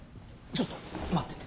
ちょっと待ってて。